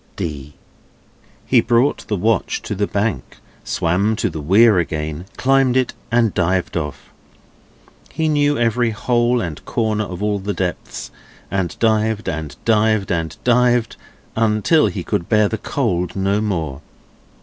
D. He brought the watch to the bank, swam to the Weir again, climbed it, and dived off. He knew every hole and corner of all the depths, and dived and dived and dived, until he could bear the cold no more.